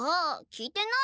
聞いてない。